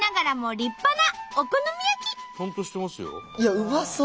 うまそう！